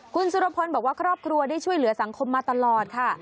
คุณสุรพลบอกว่าครอบครัวได้ช่วยเหลือสังคมมาตลอดค่ะ